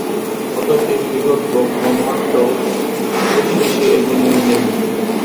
অতএব এই বৃহৎ ব্রহ্মাণ্ডও অবশ্যই সেই একই নিয়মে নির্মিত।